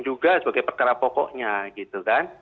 diduga sebagai perkara pokoknya gitu kan